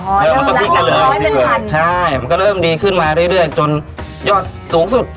เหรอมันก็พลิกน่ะเลยเป็นพันใช่มันก็เริ่มดีขึ้นมาเรื่อยเรื่อยจนยอดสูงสุด